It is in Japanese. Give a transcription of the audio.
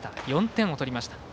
４点を取りました。